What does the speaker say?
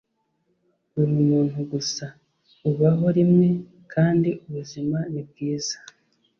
Uri umuntu gusa. Ubaho rimwe kandi ubuzima ni bwiza,